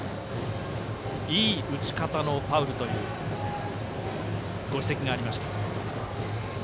いい打ち方のファウルというご指摘がありました。